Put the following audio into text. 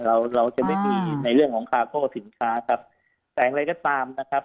เราเราจะไม่มีในเรื่องของคาโก้สินค้าครับแต่อย่างไรก็ตามนะครับ